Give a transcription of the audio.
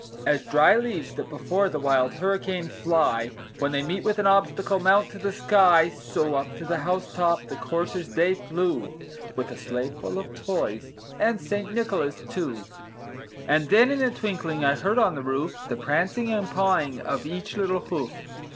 As dry leaves that before the wild hurricane fly, When they meet with an obstacle, mount to the sky, So, up to the house top the coursers they flew, With a sleigh full of toys and St. Nicholas too. And then in a twinkling I heard on the roof, The prancing and pawing of each little hoof.